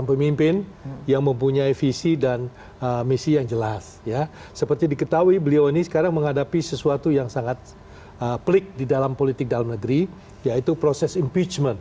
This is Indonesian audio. pemerintah iran berjanji akan membalas serangan amerika yang tersebut